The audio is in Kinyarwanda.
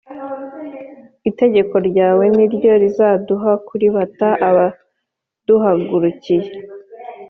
Itegeko ryawe ni ryo rizaduha kuribata abaduhagurukiye